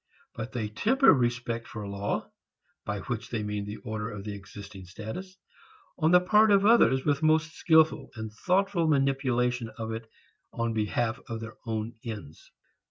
But they temper respect for law by which they mean the order of the existing status on the part of others with most skilful and thoughtful manipulation of it in behalf of their own ends.